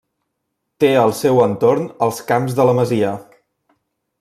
Té al seu entorn els Camps de la Masia.